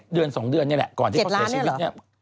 เดือน๒เดือนนี่แหละก่อนที่เขาเสียชีวิตเนี่ย